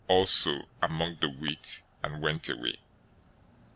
} also among the wheat, and went away.